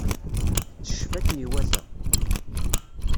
Tetteccef akken iwata.